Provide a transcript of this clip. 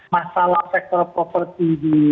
masalah sektor properti di